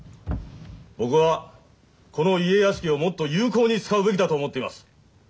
僕はこの家屋敷をもっと有効に使うべきだと思っています。